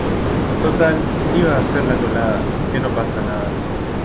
total, iba a hacer la colada. que no pasa nada .